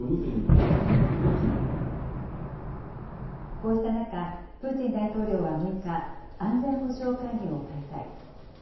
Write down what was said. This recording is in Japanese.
こうした中、プーチン大統領は６日、安全保障会議を開催。